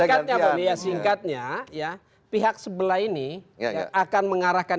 mungkin singkatnya ya singkatnya ya pihak sebelah ini ya akan mengarahkan